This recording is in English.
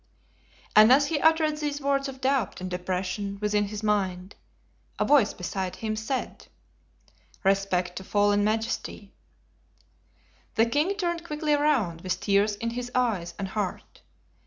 And as he uttered these words of doubt and depression within his mind, a voice beside him said: "Respect to fallen majesty." The king turned quickly around, with tears in his eyes and heart.